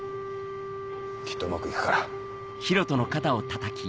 きっとうまくいくから。